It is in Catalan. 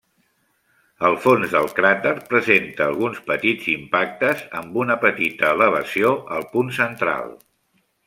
El fons del cràter presenta alguns petits impactes, amb una petita elevació al punt central.